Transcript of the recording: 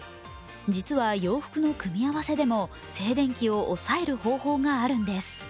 実は、洋服の組み合わせでも静電気を抑える方法があるんです。